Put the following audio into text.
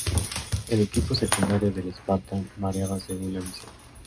El equipo secundario del Spartan variaba según la misión.